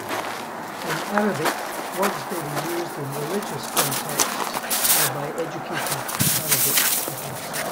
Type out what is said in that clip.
In Arabic words, may be used in religious contexts, or by educated Arabic speakers.